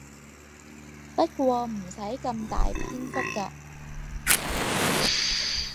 不過唔使咁大篇幅㗎